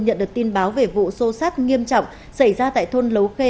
nhận được tin báo về vụ xô xát nghiêm trọng xảy ra tại thôn lấu khê